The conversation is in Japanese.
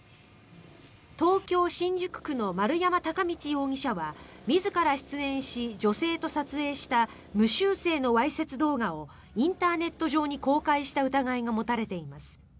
東京・新宿区の丸山敬道容疑者は自ら出演し、女性と撮影した無修正のわいせつ動画をインターネット上に公開した疑いが持たれています。